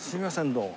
どうも。